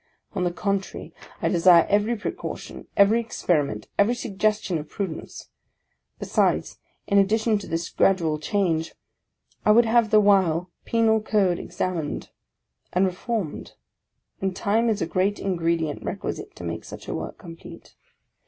On the contrary, I desire every precaution, every experiment, every suggestion of prudence: besides, in addition to this gradual change, I would have the while penal code examined, and reformed ; and time is a great ingredient requisite to make such a work complete.